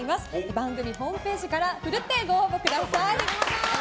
番組ホームページからふるってご応募ください。